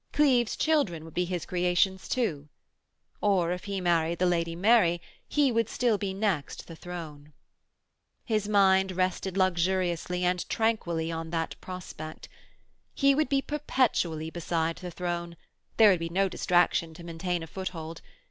Cleves children would be his creations too. Or if he married the Lady Mary he would still be next the throne. His mind rested luxuriously and tranquilly on that prospect. He would be perpetually beside the throne, there would be no distraction to maintain a foothold.